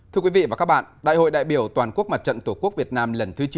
thưa quý vị và các bạn đại hội đại biểu toàn quốc mặt trận tổ quốc việt nam lần thứ chín